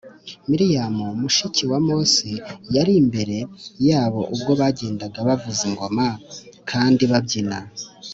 miriyamu, mushiki wa mose ari imbere yabo ubwo bagendaga bavuza ingoma kandi babyina.